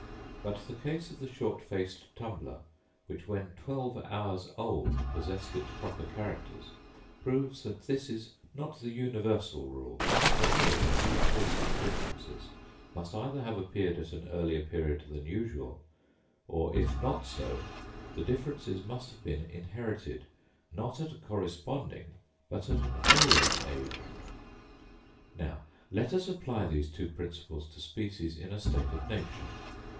But the case of the short faced tumbler, which when twelve hours old possessed its proper characters, proves that this is not the universal rule; for here the characteristic differences must either have appeared at an earlier period than usual, or, if not so, the differences must have been inherited, not at a corresponding, but at an earlier age. Now, let us apply these two principles to species in a state of nature.